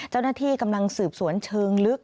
เจ้าหน้าที่กำลังสืบสวนเชิงลึก